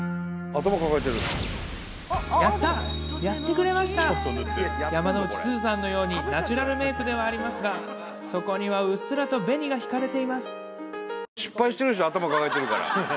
頭かかえてるやったやってくれました山之内すずさんのようにナチュラルメイクではありますがそこにはうっすらと紅が引かれています